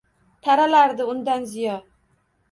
Taralardi undan ziyo